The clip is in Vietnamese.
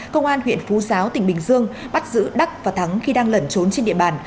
công an huyện phú giáo tỉnh bình dương bắt giữ đắc và thắng khi đang lẩn trốn trên địa bàn